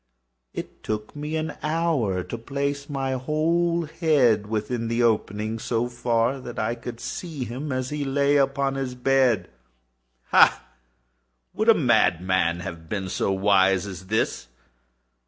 It took me an hour to place my whole head within the opening so far that I could see him as he lay upon his bed. Ha!—would a madman have been so wise as this?